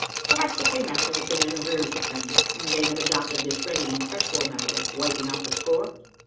Perhaps the paymaster had been in arrears with them; and they had adopted this ready and effectual method of wiping out the score?